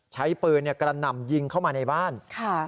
ใช้ปืนเนี่ยกระหน่ำยิงเข้ามาในบ้านค่ะ